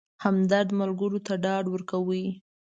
همدرد ملګرو ته ډاډ ورکاوه.